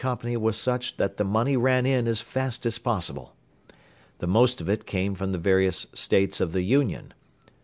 was such that the money ran in as fast as possible. The most of it came from the various States of the Union.